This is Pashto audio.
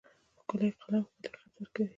ښکلی قلم ښکلی خط ورکوي.